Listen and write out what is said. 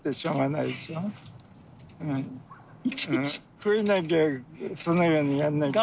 食えなきゃそれなりにやんないと。